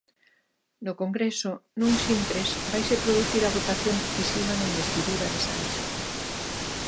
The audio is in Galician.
No Congreso, nuns intres vaise producir a votación decisiva na investidura de Sánchez.